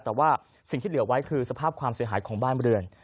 แต่ว่าสิ่งที่เหลือไว้คือสภาพความเสียหายของบ้านเรือน